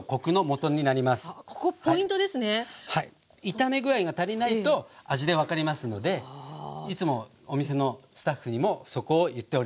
炒め具合が足りないと味で分かりますのでいつもお店のスタッフにもそこを言っております。